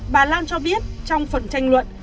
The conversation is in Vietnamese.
bà lan cho biết trong phần tranh luận